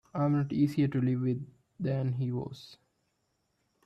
I'm not easier to live with than he was.